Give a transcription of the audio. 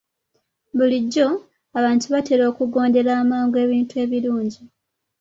Bulijjo, abantu batera okugondera amangu ebintu ebirungi.